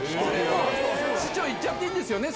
市長、言っちゃっていいんですよね？